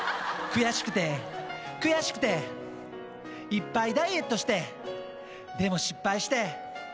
悔しくて悔しくていっぱいダイエットしてでも失敗して。